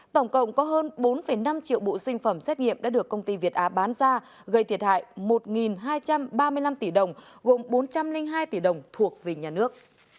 tổng cộng có hơn bốn năm triệu bộ sinh phẩm xét nghiệm đã được công ty việt á bán ra gây thiệt hại một hai trăm ba mươi năm tỷ đồng gồm bốn trăm linh hai tỷ đồng thuộc về nhà nước